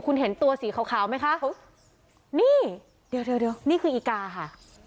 คุณเห็นตัวสีขาวขาวไหมคะนี่เดี๋ยวเดี๋ยวนี่คืออีกาค่ะ